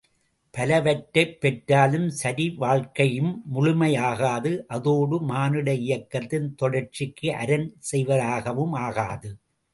பலவற்றைப் பெற்றாலும் சரி வாழ்க்கையும் முழுமை ஆகாது அதோடு மானுட இயக்கத்தின் தொடர்ச்சிக்கு அரண் செய்வதாகவும் ஆகாது.